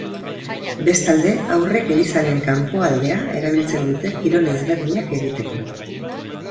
Bestalde, haurrek elizaren kanpoaldea erabiltzen dute kirol ezberdinak egiteko.